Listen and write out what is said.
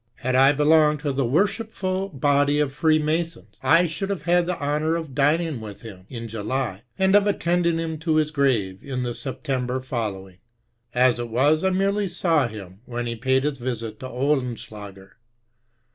Had I belonged to the worshipful body of Freemasons, I should have had the honour of dining with him, in July, and of attending him to his grave, in the Septemb^ following. As^it was, I merely saw him, when he paid his visit to Ohlenschlager.